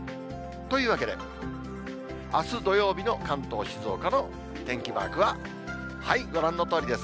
というわけで、あす土曜日の関東、静岡の天気マークはご覧のとおりです。